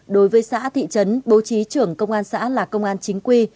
đối với xã thị trấn bố trí trưởng công an xã là công an chính quy